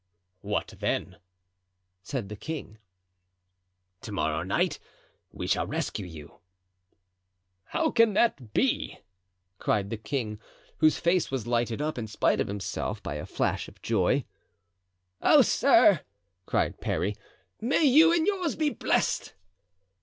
"What then?" said the king. "To morrow night we shall rescue you." "How can that be?" cried the king, whose face was lighted up, in spite of himself, by a flash of joy. "Oh! sir," cried Parry, "may you and yours be blessed!"